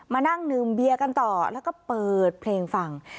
มานั่งดื่มเบียร์กันต่อแล้วก็เปิดเพลงฟัง